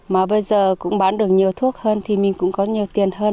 mà bây giờ cũng bán được nhiều thuốc hơn thì mình cũng có nhiều tiền hơn